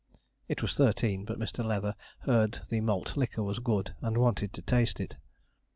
It was thirteen, but Mr. Leather heard the malt liquor was good and wanted to taste it.